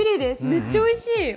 めっちゃおいしい。